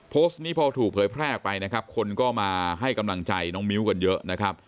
โพสต์นี้พอถูกเผยแพร่ออกไปนะครับคนก็มาให้กำลังใจน้องมิ้วกันเยอะนะครับ